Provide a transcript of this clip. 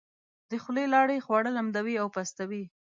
د خولې لاړې خواړه لمدوي او پستوي.